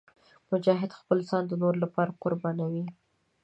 مجاهد خپل ځان د نورو لپاره قربانوي.